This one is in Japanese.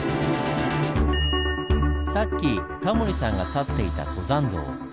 さっきタモリさんが立っていた登山道。